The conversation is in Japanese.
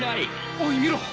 おい見ろ！